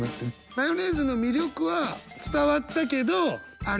マヨネーズの魅力は伝わったけどあれ？